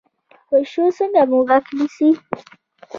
پیشو څنګه موږک نیسي؟